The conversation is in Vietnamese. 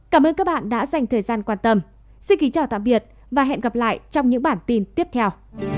cảm ơn các bạn đã theo dõi và hẹn gặp lại trong các bản tin tiếp theo